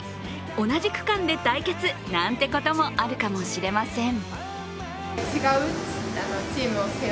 同じ区間で対決なんてこともあるかもしれません。